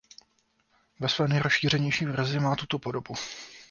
Ve své nejrozšířenější verzi má tuto podobu.